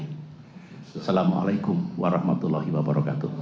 assalamu'alaikum warahmatullahi wabarakatuh